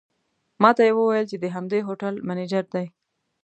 ماته یې وویل چې د همدې هوټل منیجر دی.